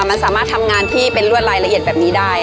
มันสามารถทำงานที่เป็นรวดรายละเอียดแบบนี้ได้